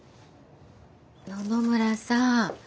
野々村さん